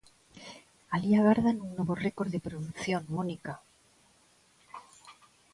Alí agardan un novo récord de produción, Mónica.